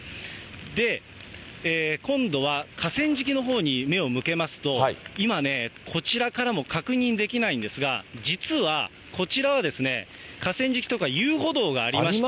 で、今度は河川敷のほうに目を向けますと、今ね、こちらからも確認できないんですが、実はこちらは、河川敷とか遊歩道がありまして。